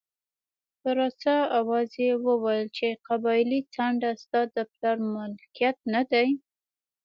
په رسا اواز یې وویل چې قبایلي څنډه ستا د پلار ملکیت نه دی.